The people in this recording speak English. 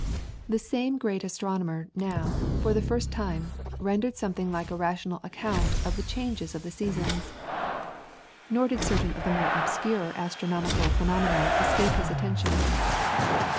The same great astronomer now, for the first time, rendered something like a rational account of the changes of the seasons. Nor did certain of the more obscure astronomical phenomena escape his attention.